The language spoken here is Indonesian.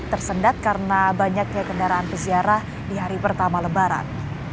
tersendat karena banyaknya kendaraan peziarah di hari pertama lebaran